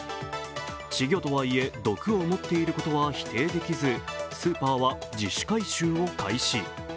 稚魚とはいえ毒を持っていることは否定できずスーパーは自主回収を開始。